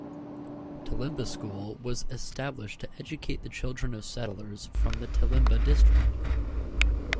Tallimba School was established to educate the children of settlers from the Tallimba District.